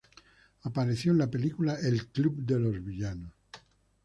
Apareció en la película El club de los villanos.